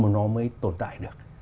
nó mới tồn tại được